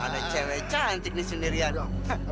ada cewek cantik nih sendirian